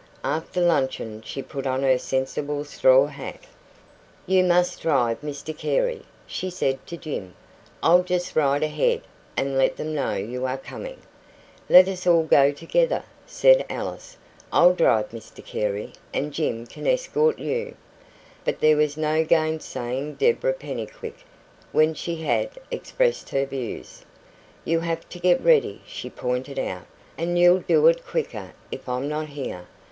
After luncheon she put on her sensible straw hat. "You must drive Mr Carey," she said to Jim. "I'll just ride ahead, and let them know you are coming." "Let us all go together," said Alice. "I'll drive Mr Carey, and Jim can escort you." But there was no gainsaying Deborah Pennycuick when she had expressed her views. "You have to get ready," she pointed out, "and you'll do it quicker if I'm not here.